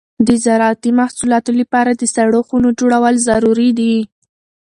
د زراعتي محصولاتو لپاره د سړو خونو جوړول ضروري دي.